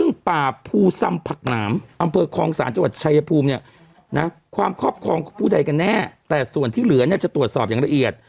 ก็พูดใดกันแน่แต่ส่วนที่เหลือน่ะจะตรวจสอบอย่างละเอียด